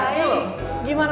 gimana mau percaya gimana